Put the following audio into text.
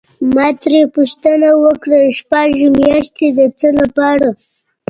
ما ترې پوښتنه وکړه: شپږ میاشتې د څه لپاره؟